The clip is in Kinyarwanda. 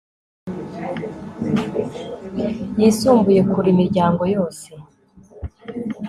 yisumbuye kure imiryango yose